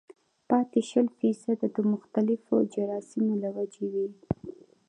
پاتې شل فيصده د مختلفو جراثيمو له وجې وي